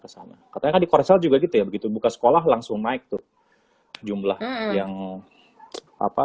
kesana katanya di koresel juga gitu ya begitu buka sekolah langsung naik tuh jumlah yang apa